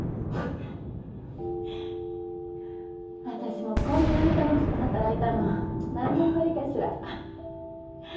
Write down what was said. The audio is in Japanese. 私もこんなに楽しく働いたの何年ぶりかしら。